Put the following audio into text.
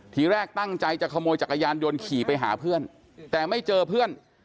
ทีแรกตั้งใจจะขโมยจักรยานยนต์ขี่ไปหาเพื่อนแต่ไม่เจอเพื่อน